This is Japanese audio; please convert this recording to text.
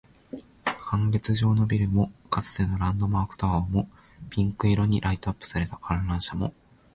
半月状のビルも、かつてのランドマークタワーも、ピンク色にライトアップされた観覧車も